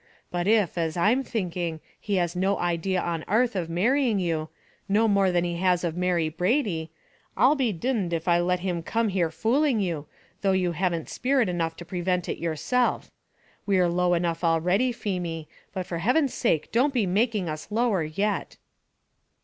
But if, as I'm thinking, he has no idea on arth of marrying you, no more than he has of Mary Brady, I'll be d d if I let him come here fooling you, though you haven't sperit enough to prevent it yourself. We're low enough already, Feemy, but for heaven's sake don't be making us lower yet!"